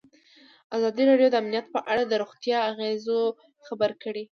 ازادي راډیو د امنیت په اړه د روغتیایي اغېزو خبره کړې.